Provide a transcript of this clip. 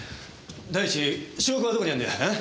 第一証拠はどこにあるんだよ？